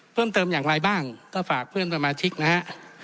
เพิ่มเติมอย่างไรบ้างก็ฝากเพื่อนสมาชิกนะฮะ